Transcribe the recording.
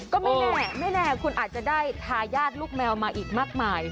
ก็ไม่แน่ไม่แน่คุณอาจจะได้ทายาทลูกแมวมาอีกมากมาย